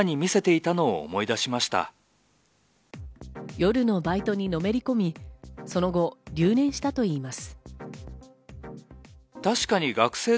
夜のバイトにのめりこみ、その後、留年したといいます。